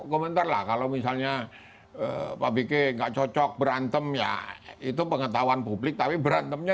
komentar lah kalau misalnya pak bike nggak cocok berantem ya itu pengetahuan publik tapi berantemnya